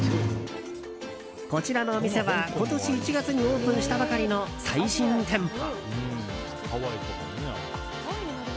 こちらのお店は今年１月にオープンしたばかりの最新店舗。